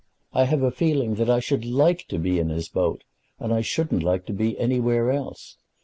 I have a feeling that I should like to be in his boat, and I shouldn't like to be anywhere else.